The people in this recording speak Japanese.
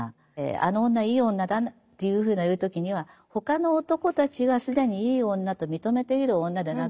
あの女いい女だなっていうふうな言う時には他の男たちが既にいい女と認めている女でなければならない。